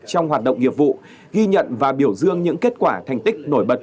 trong hoạt động nghiệp vụ ghi nhận và biểu dương những kết quả thành tích nổi bật